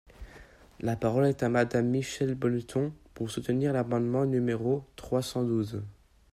La parole est à Madame Michèle Bonneton, pour soutenir l’amendement numéro trois cent douze.